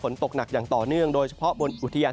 ฝนตกหนักอย่างต่อเนื่องโดยเฉพาะบนอุทยาน